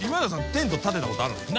テント立てたことあるんですか？